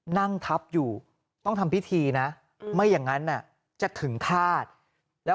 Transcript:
นั่งทับอยู่ต้องทำพิธีนะไม่อย่างนั้นจะถึงฆาตแล้ว